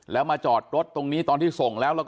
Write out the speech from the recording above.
แล้วมาจอดรถตรงนี้ตอนที่ส่งแล้ว